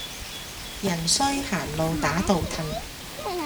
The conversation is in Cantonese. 人衰行路打倒褪